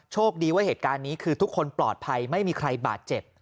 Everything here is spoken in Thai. โชคดีว่าเหตุการณ์นี้คือทุกคนปลอดภัยไม่มีใครบาดเจ็บ